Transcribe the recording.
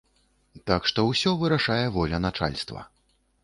Так што ўсё вырашае воля начальства.